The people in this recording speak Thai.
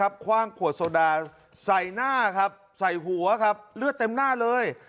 คว่างขวดโซดาใส่หน้าครับใส่หัวครับเลือดเต็มหน้าเลย